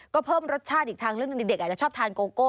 ก็เพิ่มรสชาติอีกทั้งเด็กชอบทานโกโก้